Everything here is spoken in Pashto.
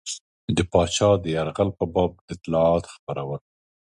د پاچا د یرغل په باب اطلاعات خپرول.